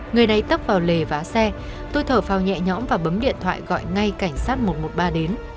người này tấp vào lề vá xe tôi thở phao nhẹ nhõm và bấm điện thoại gọi ngay cảnh sát một trăm một mươi ba đến